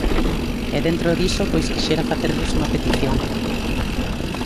E dentro diso pois quixera facerlles unha petición.